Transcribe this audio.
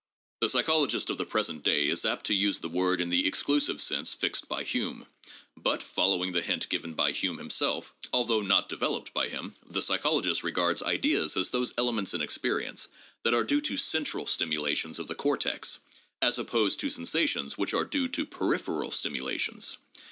The psychologist of the present day is apt to use the word in the exclusive sense fixed by Hume, but, following the hint given by Hume himself, although not developed by him, the psychologist regards ideas as those elements in experience that are due to central stimulations of the cortex, as opposed to sensa tions which are due to peripheral stimulations.